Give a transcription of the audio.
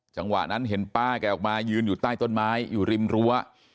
จังหวะนั้นเห็นป้าแกออกมายืนอยู่ใต้ต้นไม้อยู่ริมรั้ว